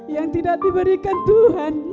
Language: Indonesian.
yang tidak diberikan tuhan